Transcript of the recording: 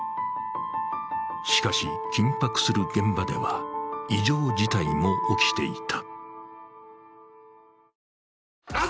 しかし、緊迫する現場では異常事態も起きていた。